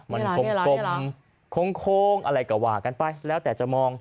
มันกรงอะไรกับว่ากันไปแล้วแต่จะมอง